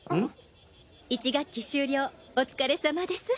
１学期終了お疲れ様です。